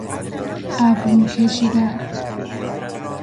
ابرو کشیدن